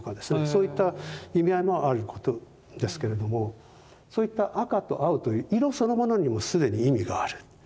そういった意味合いもあることですけれどもそういった赤と青という色そのものにも既に意味がある。